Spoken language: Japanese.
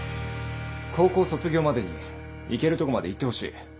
高校卒業までにいけるとこまでいってほしい。